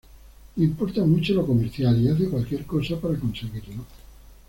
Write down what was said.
Le importa mucho lo comercial y hace cualquier cosa para conseguirlo.